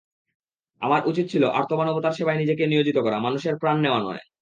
আমার উচিৎ ছিল আর্তমানবতার সেবায় নিজেকে নিয়োজিত করা, মানুষের প্রাণ নেওয়া নয়।